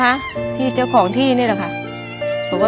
เมื่อ